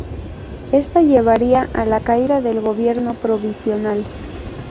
Esta llevaría a la caída del gobierno provisional.